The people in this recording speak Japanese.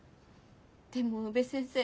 でも宇部先生